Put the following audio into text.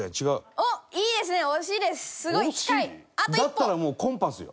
だったらもうコンパスよ。